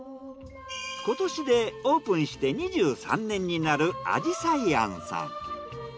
今年でオープンして２３年になる味菜庵さん。